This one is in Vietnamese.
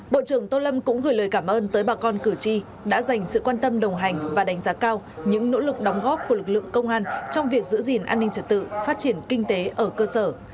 bộ trưởng tô lâm cũng gửi lời cảm ơn tới bà con cử tri đã dành sự quan tâm đồng hành và đánh giá cao những nỗ lực đóng góp của lực lượng công an trong việc giữ gìn an ninh trật tự phát triển kinh tế ở cơ sở